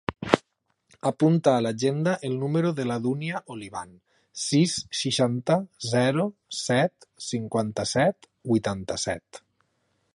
Apunta a l'agenda el número de la Dúnia Olivan: sis, seixanta, zero, set, cinquanta-set, vuitanta-set.